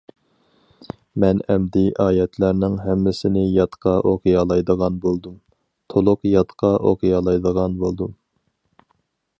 مەن ئەمدى ئايەتلەرنىڭ ھەممىسىنى يادقا ئوقۇيالايدىغان بولدۇم، تولۇق يادقا ئوقۇيالايدىغان بولدۇم.